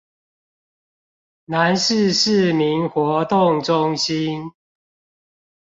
南勢市民活動中心